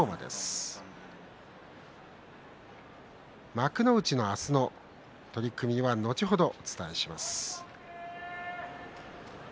幕内の明日の取組は後ほどお伝えします。